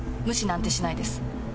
無視なんてしないです。